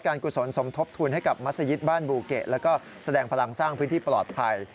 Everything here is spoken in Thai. กุศลสมทบทุนให้กับมัศยิตบ้านบูเกะแล้วก็แสดงพลังสร้างพื้นที่ปลอดภัย